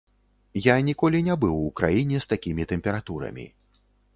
Я ніколі не быў у краіне з такімі тэмпературамі.